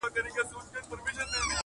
شاعره ستا تر غوږ مي چیغي رسولای نه سم -